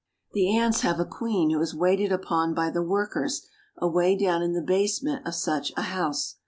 The ants have a queen who is waited upon by the workers away down in the basement of such a house.